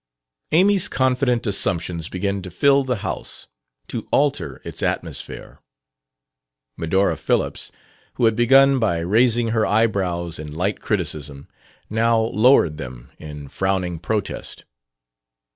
Amy's confident assumptions began to fill the house, to alter its atmosphere. Medora Phillips, who had begun by raising her eyebrows in light criticism, now lowered them in frowning protest.